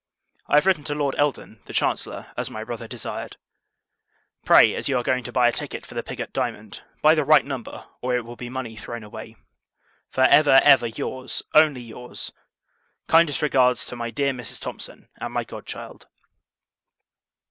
I have written to Lord Eldon, the Chancellor, as my brother desired. Pray, as you are going to buy a ticket for the Pigot diamond buy the right number, or it will be money thrown away. For ever, ever, your's, only your's. Kindest regards to my dear Mrs. Thomson, and my God Child.